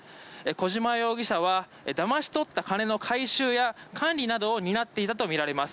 小島容疑者はだまし取った金の回収や管理などを担っていたとみられます。